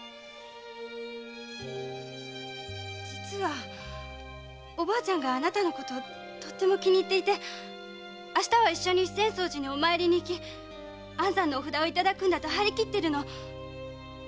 じつはおばあちゃんがあなたのこととても気に入っていて明日は一緒に浅草寺にお参りに行き安産のお札をいただくんだとはりきってるの。